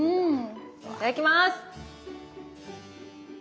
いただきます。